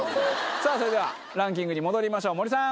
さぁそれではランキングに戻りましょう森さん。